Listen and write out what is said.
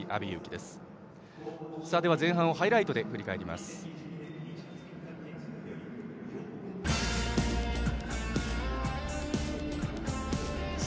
では、前半をハイライトで振り返ります。